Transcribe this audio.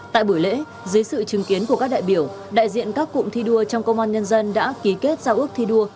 tại buổi lễ dưới sự chứng kiến của các đại biểu đại diện các cụm thi đua trong công an nhân dân đã ký kết giao ước thi đua